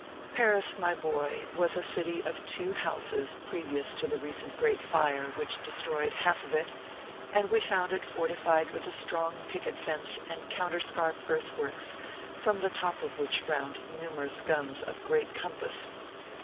Paris, my boy^ was a city of two houses previous to the recent great fire, which destroyed half of it, and we found it fortified with a strong picket fence and counterscarp earthworks, from the top of which frowned numerous guns of great compass.